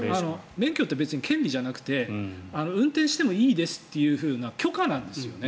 免許って別に権利じゃなくて運転してもいいですという許可なんですよね。